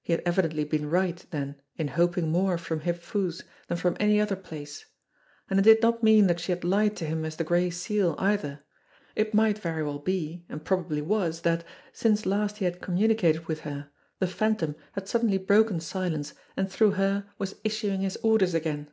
He had evidently been right then in hoping more from Hip Foo's than from any other place. And it did not mean that she had lied to him as the Gray Seal eifher. It might very well 162 JIMMIE DALE AND THE PHANTOM CLUE be, and probably was, that, since last he had communicated with her, the Phantom had suddenly broken silence and through her was issuing his orders again.